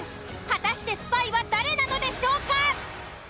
果たしてスパイは誰なのでしょうか？